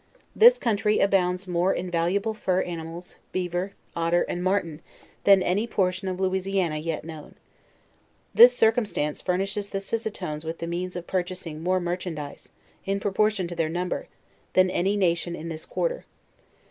This country abounds more in valuable fur animals, beaver, otter, and martin, than any por tion of Louisiana yet known. This circumstance furnishes the Sisatones with the means of purchasing more merchan dise, in proportion to their number, than any nation in this quarter.